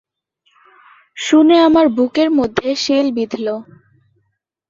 শুনে আমার বুকের মধ্যে শেল বিঁধল।